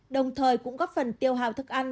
đồng thời cũng góp phần tiêu hào thức ăn